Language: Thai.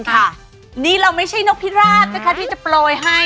ค่ะนี่เราไม่ใช่นกพิราบนะคะที่จะโปรยให้